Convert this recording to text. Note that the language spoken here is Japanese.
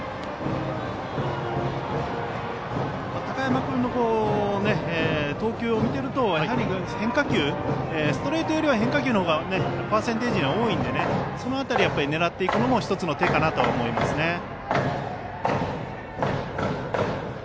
高山君の投球を見ているとストレートより変化球のほうがパーセンテージが多いのでその辺りを狙っていくのも１つの手かなと思いますね。